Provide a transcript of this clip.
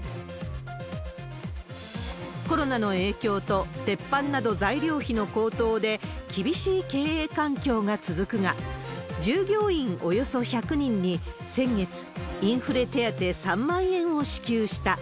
コロナの影響と、鉄板など材料費の高騰で厳しい経営環境が続くが、従業員およそ１００人に先月、インフレ手当３万円を支給した。